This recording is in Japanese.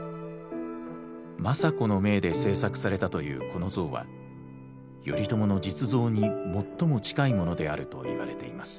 政子の命で制作されたというこの像は頼朝の実像に最も近いものであるといわれています。